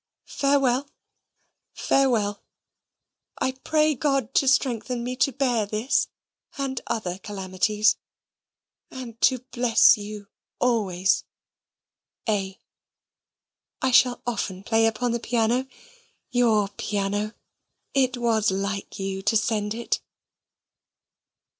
Farewell. Farewell. I pray God to strengthen me to bear this and other calamities, and to bless you always. A. I shall often play upon the piano your piano. It was like you to send it.